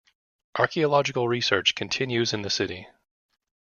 Archaeological research continues in the city.